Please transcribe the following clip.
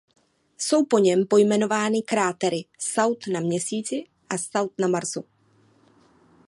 Jsou po něm pojmenovány krátery South na Měsíci a South na Marsu.